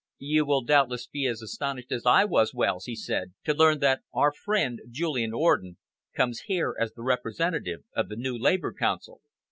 "You will doubtless be as astonished as I was, Wells," he said, "to learn that our friend Julian Orden comes here as the representative of the new Labour Council.